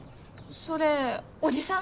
それおじさん？